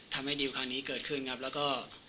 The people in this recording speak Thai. ทำให้ดีลครั้งนี้เกิดขึ้นครับแล้วก็